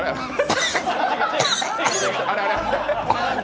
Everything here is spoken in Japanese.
あれあれ？